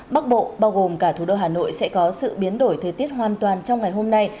bắc bộ bao gồm cả thủ đô hà nội sẽ có sự biến đổi thời tiết hoàn toàn trong ngày hôm nay